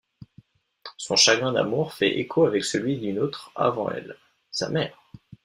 Son chagrin d'amour fait écho avec celui d'une autre avant elle, sa mère.